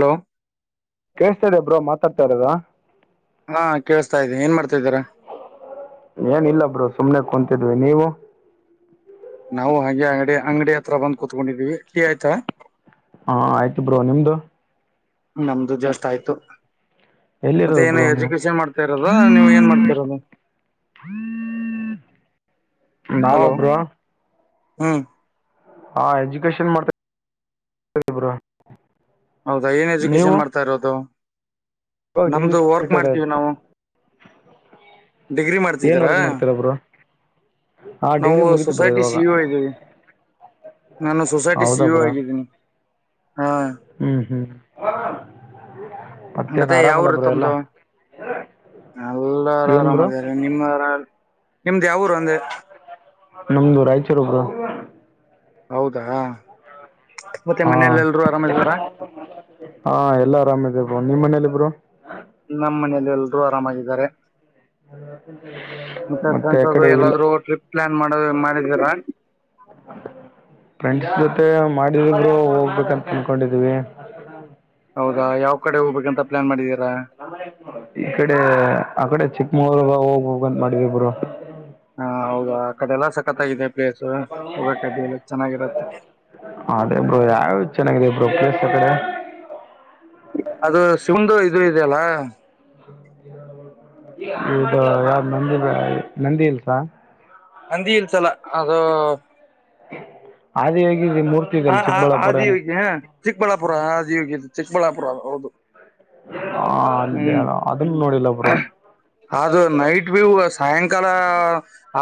Hello. ಕೇಸ್ತಾದೆಬ್ರೋ ಮಾತಾಡ್ತಾ ಇರೋಾದು. ಹಾ ಕೇಳಿಸತಾ ಇದೆ ಏನ್ ಮಾಡ್ತಾಿದೀಾ. ಏನಿಲ್ಲ ಬ್ರೋ ಸುಮ್ನೆ ಕುಂತಿದ್ವಿ ನೀವು. ನಾವು ಹಾಗೆ ಅಂಗ್ಡಿ ಅಂಗಡಿ ಹತ್ರ ಬಂದ್ ಕುೂತ್ಕೊಂಡಿದ್ದೀವಿ ಟಿ ಆಯ್ತಾ. ಹಾ ಆಯ್ತು ಬ್ರೋ ನಿಮ್ದು. ನಮ್ದು ಜಸ್ಟ್ ಆಯ್ತು. ಮತ್ತೆ ಎಲ್ಲಿರೋದು ಏನು ಬ್ರೋ ನೀವು ಎಜುಕೇಶನ್ ಮಾಡ್ತಾ ಇರೋದ ನೀವು್ ಏನ್ ಮಾಡ್ತಾರೋದು. [unintelligible] ನಾವ ಹಲೋ ಬ್ರೋ. ಹ್ಮ್- ಹಾ ಎಜುಕೇಶನ್ ಮಾಡ್ತ. ಹೌದಾ ಏನ್ ನೀವು ಎಜುಕೇಶನ್ ಮಾಡ್ತಾ ಇರೋದು. ಇವಾಗ ಡಿಗ್ರಿ ನಮ್ದು ವರ್ಕ್ ಕಂಪ್ಲೀಟೆಡ್ ಆಯ್ತು ಮಾಡ್ತೀವಿ ನಾವು. ಡಿಗ್ರಿ ಏನು ಮಾಡ್ತಿದ್ದೀರಾ. ವರ್ಕ್ ಮಾಡ್ತೀರಾ ಬ್ರೋ ಹಾ ನಾವು ಡಿಗ್ರಿ ಮುಗೀತು ಬ್ರೋ ಸೊಸೈಟಿ ಇವಾಗ ಸಿಇಒ ಇದ್ದೀವಿ. ನಾನು ಸೊಸೈಟಿ ಹೌದಾ ಸಿಇಒ ಆಗಿದ್ದೀನಿ ಹಾ. ಹ್ಮ್ ಹ್ಮ್ [unintelligible] ಮತ್ತೆ ಯಾವ್ ಉರ್ರಿ ತಮ್ದು ಎಲ್ಲಾರು ಏನು ಬ್ರೋ ಆರಾಮದಾರೆ. ನಿಮ್ಮರಾರ್ ನಿಮ್ದ ಯಾವ್ ಊರು ಅಂದೆ ನಮ್ದು ರಾಯಚೂರು ಬ್ರೋ. ಹೌದಾ. ಮತ್ತೆ ಹಾ ಮನೇಲಿ ಎಲ್ರು ಆರಾಮಿದಾರ ಹಾ ಎಲ್ಲಾ ಆರಾಮದಿವ್ ಬ್ರೋ ನಿಮ್ಮ್ ಮನೇಲಿ ಬ್ರೋ ನಮ್ಮ್ ಮನೆಲ್ ಎಲ್ರು ಆರಾಮಾಗಿದ್ದಾರೆ. ಮತ್ತೆ ಫ್ರೆಂಡ್ಸ್ ಆ ಆದರು ಕಡೆ ಹೋಗಿಲ್ಲ ಎಲ್ಲಾದ್ರೂ ಟ್ರಿಪ್ ಪ್ಲಾನ್ ಮಾಡ [unintelligible] ಮಾಡಿದಿರ. ಫ್ರೆಂಡ್ಸ್ ಜೊತೆ ಮಾಡಿ [unintelligible] ಹೋಗ್ಬೇಕಂತ ಅನ್ಕೊಂಡಿದೀವಿ. [unintelligible] ಹೌದಾ ಯಾವ್ ಕಡೆ ಹೋಗ್ಬೇಕಂತ ಪ್ಲಾನ್ ಮಾಡಿದಿರಾ ಈ ಕಡೆ ಆ ಕಡೆ ಚಿಕ್ಕಮಗ್ಳುರು ಹೊ ಹೋಗಬೋಗಂತ ಮಾಡಿದಿವ್ ಬ್ರೋ. ಹಾ ಹೌದಾ ಆ ಕಡೆ ಎಲ್ಲಾ ಸಕ್ಕತ್ತಾಗಿದೆ ಪ್ಲೇಸ್ ಹೋಗೋಕ್ಕಡ್ಡಿಲ್ಲ ಚೆನ್ನಾಗಿರತ್ತೆ. ಅದೇ ಬ್ರೋ ಯಾವ ಚೆನ್ನಾಗಿದೆ ಬ್ರೋ ಪ್ಲೇಸ್ ಕಡೆ. ಅದು ಶಿವಂದು ಇದು ಇದೆಯಲಾ [unintelligible] ಇದು ಯಾವ್ ನಂದಿ ನಂದಿ ಹಿಲ್ಸ. ನಂದಿ ಹಿಲ್ಸಲ್ಲ ಅದು ಆದಿಯೋಗಿ [unintelligible] ಮೂರ್ತಿಲ್ಲಿ ಆ- ಆ- ಚಿಕ್ಕಬಳ್ಳಾಪುರನ್ [inaudible] ಚಿಕ್ಕಬಳ್ಳಾಪುರ ಆದಿಯೋಗಿ ಚಿಕ್ಕಬಳ್ಳಾಪುರ ಹೌದು. ಅಲ್ಲಿ ಹ್ಮ್ ಅದನ್ನು ನೋಡಿಲ್ಲ ಬ್ರೋ ಆದು ನೈಟ್ [unintelligible] ಸಾಯಂಕಾಲ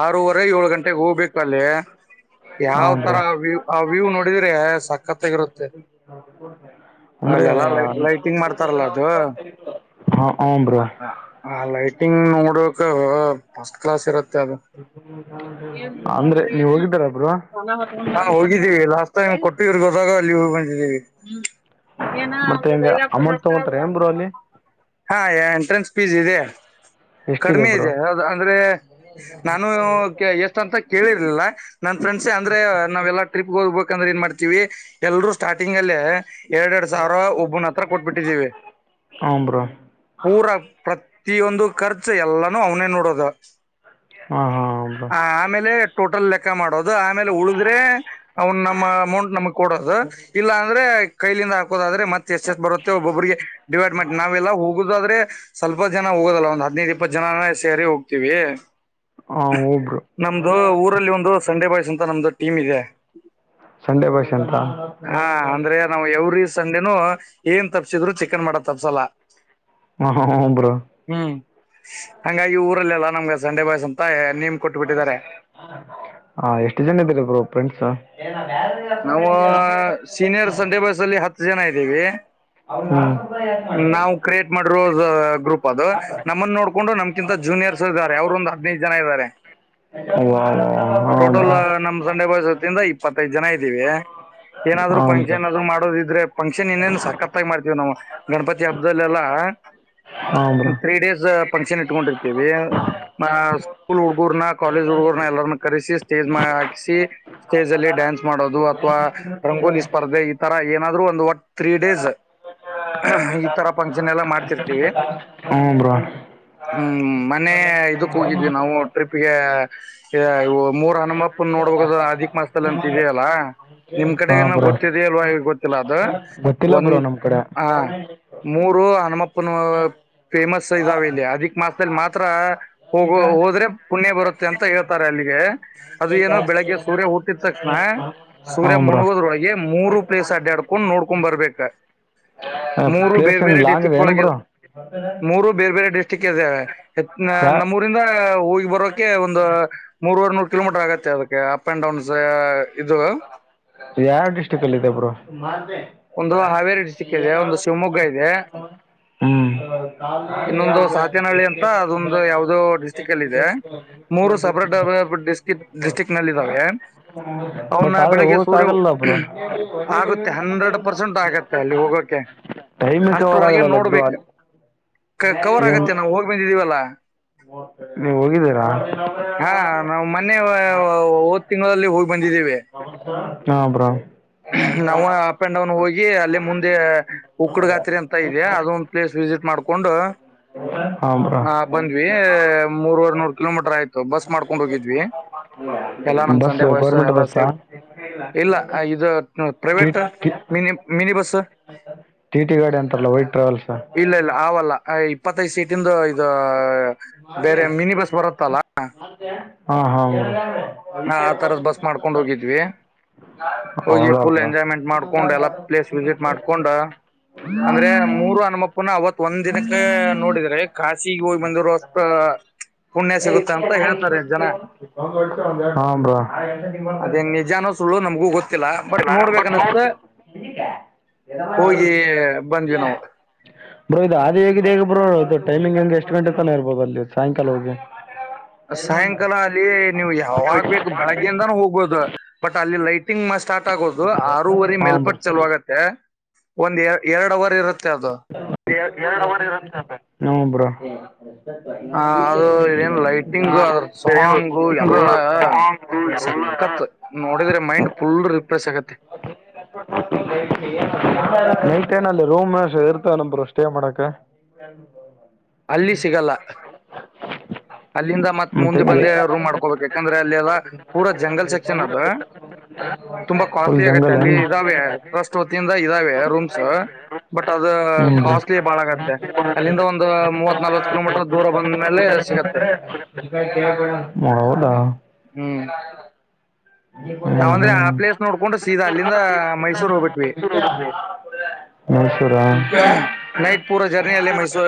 ಆರೂವರೆ ಏಳು ಗಂಟೆಗೆ ಹೋಗ್ಬೇಕು ಅಲ್ಲಿ. ಹಾಂ ಯಾವತರ ಆ ವ್ಯೂ ಆ ವ್ಯೂ ನೋಡಿದ್ರೆ ಸ್ [unintelligible] ಅಂದ್ರೆ ಅಲ್ಲೆಲ್ಲ ಲೈಟಿಂಗ್ ಮಾಡ್ತಾರಲ್ಲ ಅದು ಅ ಅವ್ನ್ಗ ಆ ಆ ಲೈಟಿಂಗ್ ನೋಡೋಕ ಫಸ್ಟ್ ಕ್ಲಾಸ್ ಇರತ್ತೆ ಅದು. ಅಂದ್ರೆ ನೀವ್ ಹೋಗಿದ್ದಲ್ಲ ಬ್ರೋ. ಹಾ ಹೋಗಿದ್ದೀವಿ ಲಾಸ್ಟ್ ಟೈಮ್ ಕೊಟ್ಟಿದ್ರಗೆ ಹೋದಾಗ ಅಲ್ಲಿ ಹೋಗ್ ಬಂದಿದಿವಿ. ಏನ ಅಂ ಮತ್ತೆ ಹೆಂಗೆ ಅಮೌಂಟ್ ತೊಗೊತಾರೆ ಏನು ಬ್ರೋ ಅಲ್ಲಿ [unintelligible] ಹಾ ಅ ಎಂಟ್ರೆನ್ಸ್ ಫೀಸ್ ಇದೆ ಎಷ್ಟಿದೆ ಕಡಿಮೆ ಬ್ರೋ ಇದೆ ಅಂದ್ರೆ ನಾನು ಎಷ್ಟ್ ಅಂತ ಕೇಳಿರ್ಲಿಲ್ಲ ನನ್ ಫ್ರೆಂಡ್ಸೆ ಅಂದ್ರೆ ನಾವೆಲ್ಲ ಟ್ರಿಪ್ಗ್ ಹೋಗ್ಬೇಕಂದ್ರೆ ಏನ್ ಮಾಡ್ತೀವಿ ಎಲ್ರು ಸ್ಟಾರ್ಟಿಂಗ್ ಅಲ್ಲೇ ಎರೆಡೆರಡ್ ಸಾವ್ರ ಒಬ್ಬನ್ ಹತ್ರ ಕೊಟ್ಬಿಟ್ಟಿದಿವಿ. ಹ್ಞೂ ಬ್ರೋ ಪೂರಾ ಪ್ರತಿಯೊಂದು ಖರ್ಚು ಎಲ್ಲಾನೂ ಅವ್ನೆ ನೋಡೋದು. ಹಾಂ ಹಾಂ ಬ್ರೋ ಹಾ ಆಮೇಲೆ ಟೋಟಲ್ ಲೆಕ್ಕ ಮಾಡೋದು ಆಮೇಲ್ ಅಂದ್ರೆ ಅವನ್ ನಮ್ಮ ಅಮೌಂಟ್ ನಮಗ್ ಕೊಡೋದು. ಇಲ್ಲ ಅಂದ್ರೆ ಕೈಲಿಂದ ಹಾಕೋದಾದ್ರೆ ಮತ್ತೆ ಎಸ್ಟ್ ಎಸ್ಟ್ ಬರುತ್ತೆ ಒಬೊಬ್ರಿಗೆ. ಡಿವೈಡ್ ಮಾಡ್ ನಾವೆಲ್ಲ ಹೋಗುದಾದ್ರೆ ಸ್ವಲ್ಪ ಜನ ಹೋಗೋದಲ್ಲ ಒಂದ್ ಹದ್ನೈದ್ ಇಪ್ಪತ್ ಜನನೆ ಸೇರಿ ಹೋಗ್ತೀವಿ. ಹಾ ಒಬ್ರು. ನಮ್ದು ಊರಲ್ಲಿ ಒಂದು ಸಂಡೇ ಬಾಯ್ಸ್ ಅಂತ ನಮ್ದು ಟೀಮ್ ಇದೆ. ಸಂಡೆ ಬಾಯ್ಸ್ ಅಂತ ಹಾ ಅಂದ್ರೆ ನಾವು ಎವ್ರಿ ಸಂಡೇನು ಏನ್ ತಪ್ಸಿದ್ರೂ ಚಿಕನ್ ಮಾಡದ್ ತಪ್ಸಲ್ಲ. ಹ ಹ ಹು ಬ್ರೊ. ಹ್ಮ್ ಹಂಗಾಗಿ ಊರಲ್ಲೆಲ್ಲಾ ನಮ್ಗೆ ಸಂಡೆ ಬಾಯ್ಸ್ ಅಂತ ನೇಮ್ ಕೊಟ್ಟುಬಿಟ್ಟಿದ್ದಾರೆ. ಹಾ ಎಷ್ಟು ಜನ ಇದಿರಿ ಬ್ರೊ ಫ್ರೆಂಡ್ಸ್. ನಾವು ಸೀನಿಯರ್ ಸಂಡೇ ಬಾಯ್ಸ್ ಅಲ್ಲಿ ಹತ್ತು ಜನ ಇದ್ದೀವಿ. ಹ್ಮ್ ಕ್ರಿಯೇಟ್ ಮಾಡಿರೋ ಗ್ರೂಪ್ ಅದು ನಮ್ಮನ್ನ ನೋಡಕೊಂಡು ನಮ ಕಿಂತ ಜೂನಿಯರ್ಸ್ ಇದಾರೆ ಅವರು ಒಂದು ಹದಿನೈದು ಜನ ಇದಾರೆ. ವಾವ್ ಹಾಂ ಟೋಟಲ್ ನಮ ಸಂಡೆ ಬಾಯ್ಸಹತಿಂದ ಇ ಪ್ಪತ್ತೈದ್ ಜನ ಇದಿವಿ ಏನಾದ್ರು ಬ್ರೋ ಫಂಕ್ಷನ್ ಆದು ಮಾಡೋದಿದ್ರೆ ಫಂಕ್ಷನ್ ಇನ್ನೇನ್ ಸಕತ್ತಾಗಿ ಮಾಡ್ತತಿವಿ ನಾವ್ ಗಣಪತಿ ಹಬ್ಬದಲ್ಲೆಲ್ಲಾ. ಹಾಂ ಬ್ರೋ ಹಾಂ ಬ್ರೋ ತ್ರೀ ಡೇಸ್ ಫಂಕ್ಷನ್ ಇಟ್ಕೊಂಡಿರ್ತೇವಿ ಸ್ಕೂಲ್ ಹುಡ್ಗೂರ್ನ ಕಾಲೇಜ್ ಹುಡ್ಗೂರ್ನ ಎಲ್ಲರನ್ನ ಕರೆಸಿ ಸ್ಟೇಜ್ ಮೇಲೆ ಹಾಕಿಸಿ ಸ್ಟೇಜ್ಲಿ ಡಾನ್ಸ್ ಮಾಡೋದು ಅಥವಾ ರಂಗೋಲಿ ಸ್ಪರ್ಧೆ ಈ ತರ ಏನಾದ್ರು ಒಂದು ವಟ್ ತ್ರೀ ಡೇಸ್. ಈಥರ ಫಂಕ್ಷನ್ ಎಲ್ಲ ಮಾಡ್ತಿರ್ತೀವಿ. ಹ್ಞೂ ಬ್ರೋ ಹ್ಮ್ ಮನ್ನೆ ಇದಕ್ ಹೋಗಿದ್ವಿ ನಾವು ಟ್ರಿಪ್ಗೆ ಎ ಇವು ಮೂರ್ ಹನುಮಪ್ಪನ್ ನೋಡ್ಬಕು ಅದು ಅದಿಕ್ ಮಾಸದಲ್ಲಿ ಅಂತ ಇದೆಯಲ್ಲಾ. ನಿಮ್ ಕಡೆ ಹಾಂ ಏನೋ ಬ್ರೋ ಗೊತ್ತಿದೆಲ್ವಾ ಗೊತ್ತಿಲ್ಲ ಅದು ಗೊತ್ತಿಲ್ಲ ಒಂದ ಬ್ರೋ ನಮ್ಮ ಕಡೆ ಹ ಮೂರು ಹನುಮಪ್ಪನ ಫೇಮಸ್ ಇದಾವ ಇಲ್ಲಿ ಅದಿಕ್ ಮಾಸದಲ್ಲಿ ಮಾತ್ರ. ಹೋಗೋ ಹೋದ್ರೆ ಪುಣ್ಯ ಬರುತ್ತೆ ಅಂತ ಹೇಳ್ತಾರೆ ಅಲ್ಲಿಗೆ ಅದು ಏನು ಬೆಳಿಗ್ಗೆ ಸೂರ್ಯ ಹುಟ್ಟಿ ತಕ್ಕ ಹಾ ಸೂರ್ಯ ಹಾಂ ಬ್ರೋ ಮುಣುಗೋದ್ರೊಳಗೆ ಮೂರು ಪ್ಲೇಸ್ ಅಡ್ಯಾಡ್ಕೊಂಡ್ ನೋಡ್ಕೊಂಡ್ ಬರ್ಬೇಕ. ಮೂರು ಪ್ಲೇಸ್ ಬೇರೆ ಏನು ಬೇರೆ ಲಾಂಗ್ ಇದೆ ಡಿಸ್ಟ್ರಿಕ್ ಏನು ಒಳಗೆ ಇರ ಬ್ರೋ ಮೂರು ಬೇರೆ ಬೇರೆ ಡಿಸ್ಟ್ರಿಕ್ಟ ಇದವೆ ಯಾ ನಮ್ಮೂ ರಿಂದ ಹೋಗಿ ಬರೋಕೆ ಒಂದು ಮೂರವರ್ ನೂರು ಕಿಲೋಮೀಟರ್ ಆಗತ್ತೆ ಅದಕ್ಕೆ ಅಪ್ ಅಂಡ್ ಡೌನ್ಸ್ ಇದು. ಯಾವ ಡಿಸ್ಟ್ರಿಕ್ ಅಲ್ಲಿದೆ ಬ್ರೊ. ಒಂದು ಹಾವೇರಿ ಡಿಸ್ಟ್ರಿಕ್ ಇದೆ ಒಂದು ಶಿವಮೊಗ್ಗ ಇದೆ. ಹ್ಮ್ ಇನ್ನೊಂದು ಸಾತೇನಹಳ್ಳಿ ಅಂತ ಅದೊಂದು ಯಾವದೋ ಡಿಸ್ಟ್ರಿಕ್ ಅಲ್ಲಿ ಇದೆ ಮೂರು ಸಪ್ರೇಟ್ ಡಿಸ್ಟ ಡಿಸ್ಟ್ರಿಕ್ ನಲ್ಲಿ ಇದಾವೆ. ಅವನ್ನ ಬಟ್ ಆದ್ರೆ ಬೆಳಿಗ್ಗೆ ಹೋಗಕ್ ಸೂರ್ಯ ಆಗಲ್ಲ ಬ್ರೊ. ಆಗುತ್ತೆ ಹಂಡ್ರೆಡ್ ಪರ್ಸೆಂಟ್ ಆಗತ್ತೆ ಅಲ್ಲಿ ಹೋಗೋಕೆ ಟೈಮ್ ಎ ಕವರಾಗಲ್ಲಲ್ಲ ಬ್ರೊ ಅ ಕ ಕವರ್ ಆಗತ್ತೆ ನಾವು ಹೋಗ್ ಬಂದೀದಿವಲ್ಲಾ. ನೀವ ಹೋಗಿದೀರಾ. ಹಾ ನಾವು ಮೊನ್ನೆ ಹೋದ್ ತಿಂಗಳದಲ್ಲಿ ಹೋಗಿ ಬಂದಿದೀವಿ. ಹ್ಮ ಬ್ರೊ. ಹ್ಮ್ ನಾವ ಅಪ್ಪೆಂಡವನ್ ಹೋಗಿ ಅಲ್ಲೇ ಮುಂದೆ ಉಕ್ಕಡ್ ಗಾತ್ರಿ ಅಂತ ಇದೆ ಅದೊಂದ ಪ್ಲೇಸ್ ವಿಸಿಟ್ ಮಾಡ್ಕೊಂಡು. ಹಾ ಬ್ರೋ ಹಾ ಬಂದ್ವಿ ಮೂರ್ವರ್ ನೂರ್ ಕಿಲೋಮೀಟರ್ ಆಯ್ತು ಬಸ್ ಮಾಡ್ಕೊಂಡ್ ಹೋಗಿದ್ವಿ. ಎಲ್ಲಾ ನಮ್ ಬಸ್ ಸಂಡೆ ಬಾಯ್ಸ ಗೌರ್ಮೆಂಟ್ ಎಲ್ಲ ಬಸ್ಸಾ ಸೇರ್ ಇಲ್ಲ ಇದು. T private T mini mini bus. T T ಗಾಡಿ ಅಂತಾರಲ್ಲ ವೈಟ್ ಟ್ರಾವೆಲ್ಸ್ ಇಲ್ಲ ಇಲ್ಲ ಆವಲ್ಲ ಇಪ್ಪತ್ತೈದ್ ಸೀಟಿಂದು ಇದು. ಬೇರೆ ಮಿನಿ ಬಸ್ ಬರತ್ತಲ್ಲ. ಹಾ ಹಾಂ ಆ ತರದ್ ಬಸ್ ಮಾಡ್ಕೊಂಡು ಹೋಗಿದ್ವಿ ಹೋಗಿ ಫುಲ್ ಎಂಜಾಯ್ಮೆಂಟ್ ಮಾಡ್ಕೊಂಡ್ ಎಲ್ಲಾ ಪ್ಲೇಸ್ ವಿಸಿಟ್ ಮಾಡ್ಕೊಂಡ. ಅಂದ್ರೆ ಮೂರು ಅನುಮಕ್ ಪನ ಅವತ್ ಒಂದ್ ದಿನಕ್ಕೆ ನೋಡಿದ್ರೆ ಕಾಸಿ ಹೋಗಿ ಬಂದರು ಅಷ್ಟ. ಪುಣ್ಯ ಸಿಗುತ್ತ ಅಂತ ಹೇಳ್ತಾರೆ ಜನ ಹಾಂ ಬ್ರೊ. ತುಳು ನಮಗೂ ಗೊತ್ ತಿಲ್ಲ ಬಟ್ ನೋಡ್ಬೇಕ ಅನಿಸ್ತ ಹೋಗಿ ಬಂದ್ವಿ ನಾವು. ಬ್ರೋ ಇದು ಆದ ಹೇಗಿದೆ ಹೇಗೆ ಬ್ರೋ ಟಮಿಂಗ್ ಹಂಗೆ ಎಷ್ಟ ಗಂಟೆ ತನ ಇರ್ಬೋ ಅಲ್ಲಿ ಸಾಯಂಕ ಕಾಲ ಹೋಗಿ. ಸಾಯಂಕಾಲ ಅಲ್ಲಿ ನೀವು ಯಾವಾಗ್ ಬೇಕು ಬೆಳಗ್ಯಿಂದಾನು ಹೋಗ್ಬೋದು ಬಟ್ ಅಲ್ಲಿ ಲೈಟ್ ಟಿಂಗ್ ಸ್ಟಾರ್ಟ್ ಆಗೋದು ಆರೂವರೆ ಹಾ ಬ್ರೋ ಮೇಲ್ಪಟ್ಟ ಚಲುವಾಗು ತೆ ಒಂದ್ ಎ ಎರಡು ಅವರ್ ಇರುತ್ತೆ ಅದು. ಹುಂ ಬ್ರೊ. ಆ ಅದು ಎನ್ ಲೈಟಿಂಗು ಅದ್ರ ಸಾಂಗು ಎಲ್ಲ. ಸಕತ್ ನೋಡಿದ್ರೆ ಮೈಂಡ್ ಫುಲ್ ರಿಫ್ರೆಶ್ ಆಗತ್ತೆ. ನೈಟೇನ್ ಅಲ್ಲಿ ರೂಮ ಇರ್ತವೇನ ಬ್ರೊ ಷ್ಟೇ ಮಾಡಕ. ಅಲ್ಲಿ ಸಿಗಲ್ಲ. ಅಲ್ಲಿಂದ ಮತ್ ಮತ್ತೆ ಮುಂದೆ ಹೆಂಗೆ ಬಂದೇ ರೂಮ್ ಮಾಡ್ಕೋಬೇಕು ಯಾಕಂದ್ರೆ ಅಲ್ಲಿ ಎಲ್ಲ ಪೂರ ಜಂಗಲ್ ಸೆಕ್ಷನ್ ಅದ. ತುಂಬಾ ಫುಲ್ ಕಾಸ್ಟ್ಲಿ ಆಗತ್ತೆ ಜಂಗಲ್ ಅಲ್ಲಿ ಏನು ಇದಾವೆ ಟ್ರಸ್ಟ್ ವತಿಯಿಂದ ಇದಾವೆ ರೂಮ್ಸ್. ಬಟ್ ಅದ ಹ್ಞೂ ಕಾಸ್ಟ್ಲಿ ಬಾಳಗತ್ತೆ. ಅಲ್ಲಿಂದ ಒಂದು ಮೂವತ್ ನಲ್ವತ್ ಕಿಲೋಮೀಟರ್ ದೂರ ಬಂದ್ಮೇಲೆ ಸಿಗತ್ತೆ. ಹೌದಾ. ಹ್ಮ್ ಹ್ಞೂ ನಾವ್ಂದ್ರೆ ಆ ಹ್ಞೂ ಪ್ಲೇಸ್ ನೋಡ್ಕೊಂಡು ಸದಾ ಅಲ್ಲಿಂದ ಮೈಸೂರ್ ಹೋಗಬಿಟ್ವಿ. [unintelligible] ಮೈಸೂರಾ. ನೈಟ್ ಪೂರ ಜರ್ನಿ ಅಲ್ಲಿ ಮೈಸೂರ